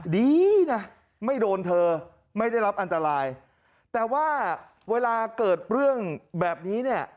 ดีนะไม่โดนเธอไม่ได้รับอันตรายแต่ว่าเวลาเกิดเรื่องแบบนี้เนี่ย